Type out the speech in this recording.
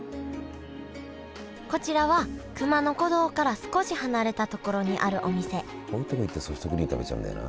こちらは熊野古道から少し離れたところにあるお店こういうとこに行くとソフトクリーム食べちゃうんだよな。